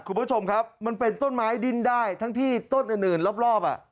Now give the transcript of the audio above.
คุณผู้ชมครับมันเป็นต้นไม้ดิ้นได้ทั้งที่ต้นอื่นรอบ